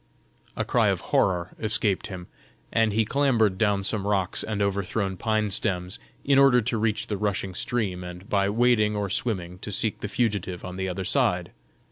A cry of horror escaped him, and he clambered down some rocks and overthrown pine stems, in order to reach the rushing stream and by wading or swimming to seek the fugitive on the other side.